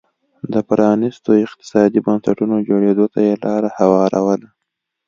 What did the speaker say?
د پرانیستو اقتصادي بنسټونو جوړېدو ته یې لار هواروله